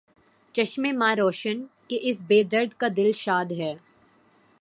چشمِ ما روشن، کہ اس بے درد کا دل شاد ہے